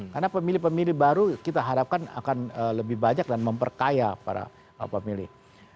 karena pemilih pemilih baru kita harapkan akan lebih banyak dan memperkaya para pemilih